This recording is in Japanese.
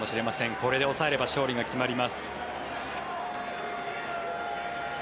これで抑えれば勝利が決まります。